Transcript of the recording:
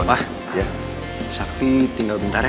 pak sakti tinggal sebentar ya